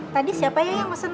tadi siapa yoyang pesen mie